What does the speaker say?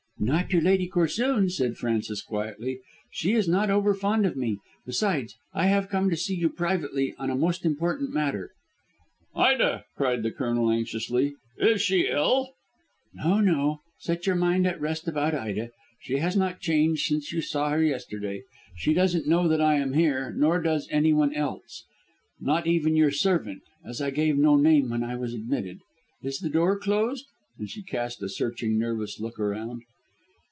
"Not to Lady Corsoon," said Frances quietly. "She is not over fond of me. Besides, I have come to see you privately and on a most important matter." "Ida," cried the Colonel anxiously. "Is she ill?" "No, no! Set your mind at rest about Ida. She has not changed since you saw her yesterday. She doesn't know that I am here, nor does any one else; not even your servant, as I gave no name when I was admitted. Is the door closed?" and she cast a searching, nervous look around.